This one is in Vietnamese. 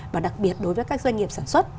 và đặc biệt đối với các doanh nghiệp sản xuất